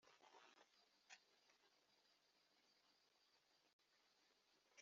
impamvu zibangamira ubumwe n ubwiyunge mu muryango